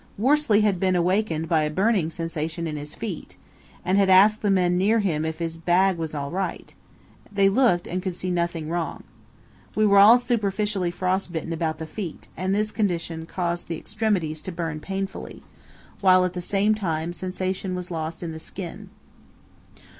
Worsley had been awakened by a burning sensation in his feet, and had asked the men near him if his bag was all right; they looked and could see nothing wrong. We were all superficially frostbitten about the feet, and this condition caused the extremities to burn painfully, while at the same time sensation was lost in the skin.